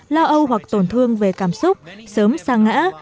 lo âu hoặc tổn thương về cảm xúc sớm sang ngã